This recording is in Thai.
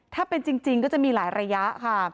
ถ้าเป็นจริงก็จะมีหลายระยะค่ะ